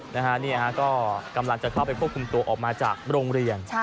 นี่ฮะก็กำลังจะเข้าไปควบคุมตัวออกมาจากโรงเรียน